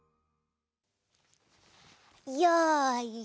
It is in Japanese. よいしょ！